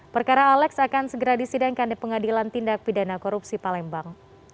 perkara alex akan segera disidangkan di pengadilan tindak pidana korupsi palembang